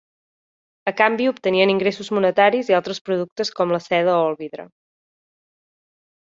A canvi obtenien ingressos monetaris i altres productes com la seda o el vidre.